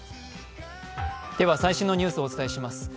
では最新のニュースをお伝えします。